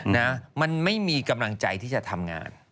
นะมันไม่มีกำลังใจที่จะทำงาน